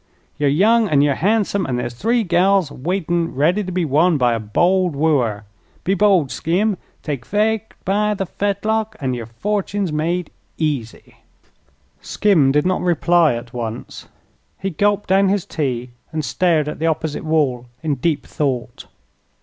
Yer young, an' yer han'some; an' there's three gals waitin' ready to be won by a bold wooer. Be bold, Skim; take fate by the fetlock, an' yer fortun's made easy!" Skim did not reply at once. He gulped down his tea and stared at the opposite wall in deep thought.